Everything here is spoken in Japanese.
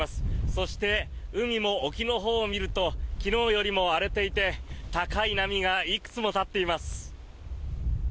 そして、海も沖のほうを見ると昨日よりも荒れていて高い波がいくつも立っています。